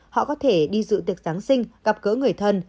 họ có thể đi dự tiệc giáng sinh gặp gỡ người thân